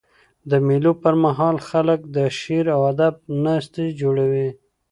د مېلو پر مهال خلک د شعر او ادب ناستي جوړوي.